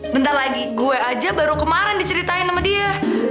bentar lagi gue aja baru kemarin diceritain sama dia